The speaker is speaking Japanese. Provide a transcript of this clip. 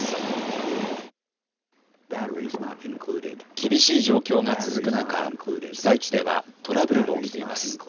厳しい状況が続く中、被災地ではトラブルも起きています。